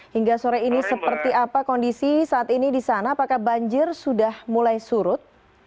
hingga sore ini seperti apa kondisi saat ini di sana apakah banjir sudah mulai surut